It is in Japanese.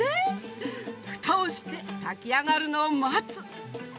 ふたをして炊き上がるのを待つ！